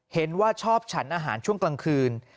เห็นว่าชอบฉันอาหารช่วงกลางคืน